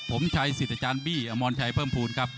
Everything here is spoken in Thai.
ผมชัยสิทธิ์อาจารย์บี้อมรชัยเพิ่มภูมิครับ